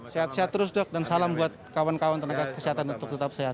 sehat sehat terus dok dan salam buat kawan kawan tenaga kesehatan untuk tetap sehat